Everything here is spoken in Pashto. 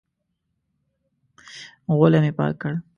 غولی مې پاک کړ.